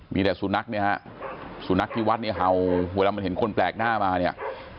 มีแต่สุนัขเนี่ยฮะสุนัขที่วัดเนี่ยเห่าเวลามันเห็นคนแปลกหน้ามาเนี่ย